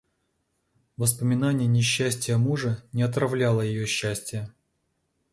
Воспоминание несчастия мужа не отравляло ее счастия.